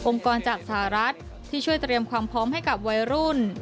กรจากสหรัฐที่ช่วยเตรียมความพร้อมให้กับวัยรุ่น